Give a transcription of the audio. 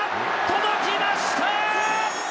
届きました！